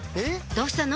どうしたの？